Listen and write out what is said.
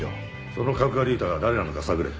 そのカクガリータが誰なのか探れ。